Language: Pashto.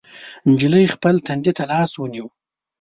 نجلۍ خپل تندي ته لاس ونيو.